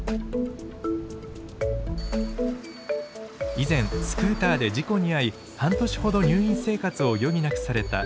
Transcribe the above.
以前スクーターで事故に遭い半年ほど入院生活を余儀なくされた依田さん。